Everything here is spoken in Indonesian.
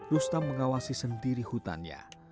rustam mengawasi sendiri hutannya